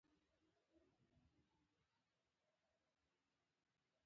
په بې پروایۍ ناوړه چلند کوي.